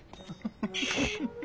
フフフフ。